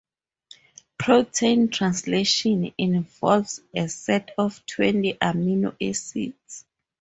Protein translation involves a set of twenty amino acids.